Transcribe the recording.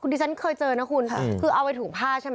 ที่ฉันเคยเจอนะคุณคือเอาไปถุงผ้าใช่ไหม